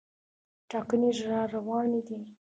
ټاکنې راروانې دي.